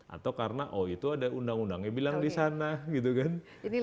atau karena oh itu ada undang undangnya bilang di sana gitu kan